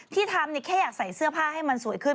ที่ทำแค่อยากใส่เสื้อผ้าให้มันสวยขึ้น